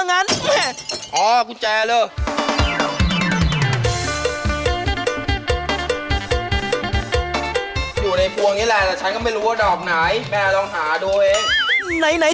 ว่าแต่ทีมสีส้มโชคจะเข้าข้างหาสากเจอกับเขาไหมเราไปดูกันเลยครับ